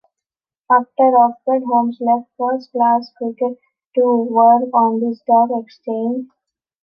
After Oxford, Holmes left first-class cricket to work on the Stock Exchange.